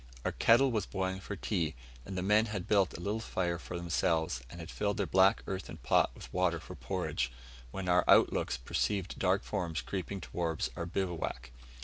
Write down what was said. Our kettle was boiling for tea, and the men had built a little fire for themselves, and had filled their black earthen pot with water for porridge, when our look outs perceived dark forms creeping towards our bivouac.